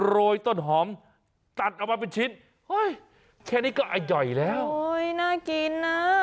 โรยต้นหอมตัดเอามาเป็นชิ้นเฮ้ยแค่นี้ก็อ่ะใหญ่แล้วโอ้ยน่ากินน่ะ